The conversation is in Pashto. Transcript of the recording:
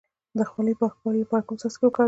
د خولې د پاکوالي لپاره کوم څاڅکي وکاروم؟